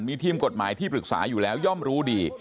มีทีมกฎหมายที่ปรึกษาอยู่แล้วย่อมรู้ดี